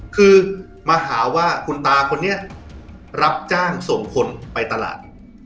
คือมาหาว่าคุณตาคนนี้รับจ้างส่งคนไปตลาด